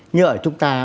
như ở chúng ta